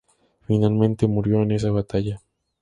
Finalmente murió en esa batalla.